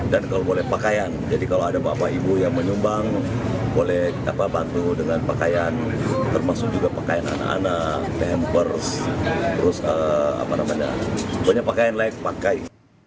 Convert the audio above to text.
dan kalau boleh pakaian jadi kalau ada bapak ibu yang menyumbang boleh kita bantu dengan pakaian termasuk juga pakaian anak anak pampers terus apa namanya banyak pakaian lain pakai